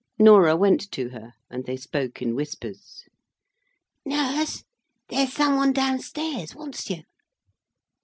Norah went to her, and they spoke in whispers. "Nurse! there's some one down stairs wants you."